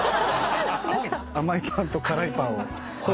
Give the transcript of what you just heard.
甘いパンと辛いパンを交互に。